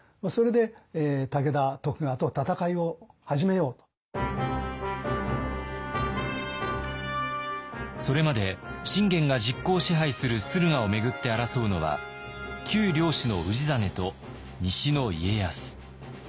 その時にそれまで信玄が実効支配する駿河を巡って争うのは旧領主の氏真と西の家康。